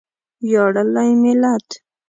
ویاړلی ملت.